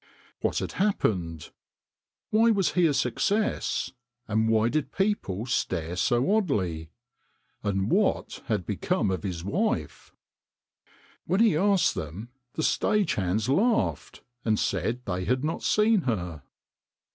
What had happened ? Why was he a success, and why did people stare so oddly, and what had become of his wife ? When he asked them the stage hands laughed, and said they had not seen her.